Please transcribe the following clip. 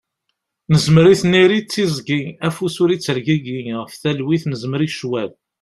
Nezmer i tniri d tiẓgi, afus ur ittergigi, ɣef talwit nezmer i ccwal.